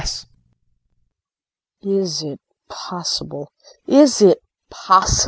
KRISTIN. Is it possible? Is it possible?